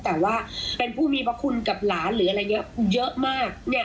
แต่ว่าเป็นผู้มีพระคุณกับหลานหรืออะไรเยอะมาก